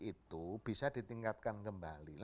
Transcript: itu bisa ditingkatkan kembali